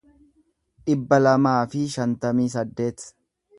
dhibba lamaa fi shantamii saddeet